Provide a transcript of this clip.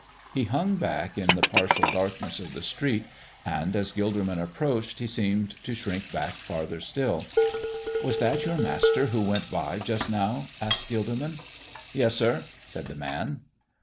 He hung back in the partial darkness of the street, and as Gilderman approached he seemed to shrink back farther still. "Was that your Master who went by just now?" asked Gilderman. "Yes, sir," said the man.